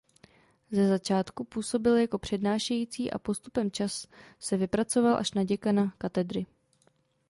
Ze začátku působil jako přednášející a postupem čas se vypracoval až na děkana katedry.